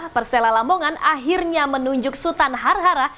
persela lamongan akhirnya menunjuk sultan harhara